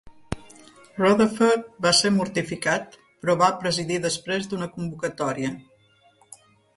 Rutherford va ser mortificat, però va presidir després d'una convocatòria.